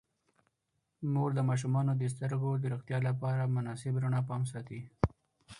مور د ماشومانو د سترګو د روغتیا لپاره د مناسب رڼا پام ساتي.